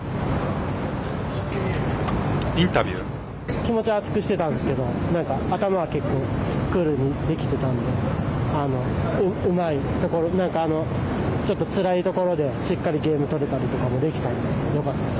気持ちは熱くしてたんですけれど頭は結構クールにできてたのでうまいところちょっとつらいところでしっかりゲーム取れたのでよかったです。